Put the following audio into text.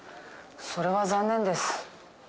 それは残念です。